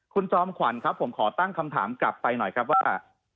คุณจอมขวัญครับผมขอตั้งคำถามกลับไปหน่อยครับว่า